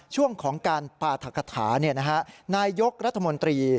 ช่วงของการปราธกฐานายยกรัฐมนตรี